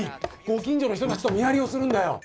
ご近所の人たちと見張りをするんだよ。